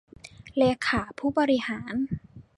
เลขาผู้บริหาร